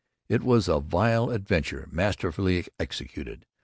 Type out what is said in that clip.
It was a virile adventure masterfully executed.